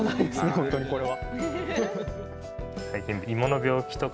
本当にこれは。